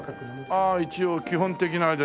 ああ一応基本的な。